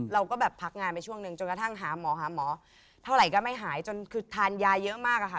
เราก็แบบพักงานไปช่วงหนึ่งจนกระทั่งหาหมอหาหมอเท่าไหร่ก็ไม่หายจนคือทานยาเยอะมากอะค่ะ